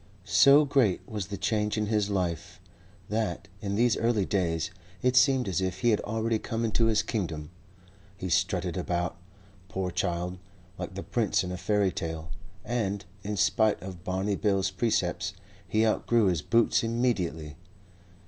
So great was the change in his life that, in these early days, it seemed as if he had already come into his kingdom. He strutted about, poor child, like the prince in a fairy tale, and, in spite of Barney Bill's precepts, he outgrew his boots immediately.